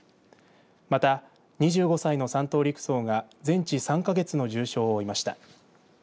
また２５歳の３等陸曹が全治３か月の重傷を負いました。